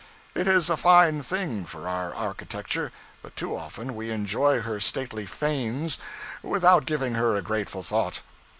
It is a fine thing for our architecture but too often we enjoy her stately fanes without giving her a grateful thought.